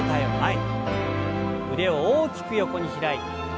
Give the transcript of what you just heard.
腕を大きく横に開いて。